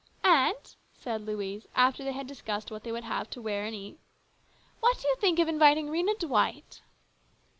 " Aunt," said Louise after they had discussed what they would have to wear and to eat, " what do you think of inviting Rhena Dwight ?